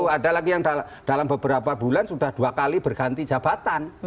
ada lagi yang dalam beberapa bulan sudah dua kali berganti jabatan